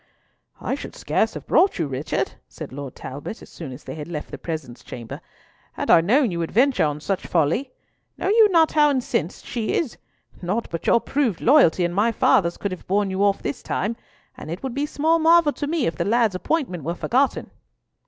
"I should scarce have brought you, Richard," said Lord Talbot, as soon as they had left the presence chamber, "had I known you would venture on such folly. Know you not how incensed she is? Naught but your proved loyalty and my father's could have borne you off this time, and it would be small marvel to me if the lad's appointment were forgotten."